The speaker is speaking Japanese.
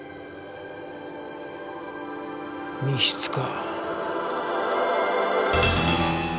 密室か。